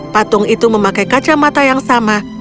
patung itu memakai kacamata yang sama